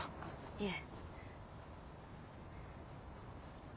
いえ。